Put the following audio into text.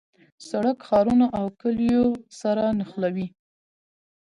سړک ښارونه او کلیو سره نښلوي.